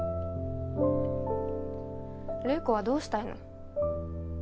怜子はどうしたいの？